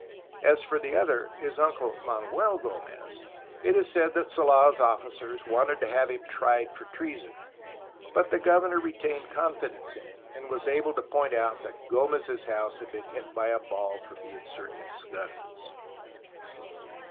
As for the other, his uncle, Manuel G6mez, it is said that Solans officers wanted to have him tried for treason, but the governor retained confidence in him and was able to point out that G6mez^s house had been hit by a ball from the insurgents' guns.